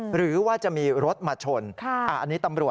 หรือว่าจะมีรถมาชน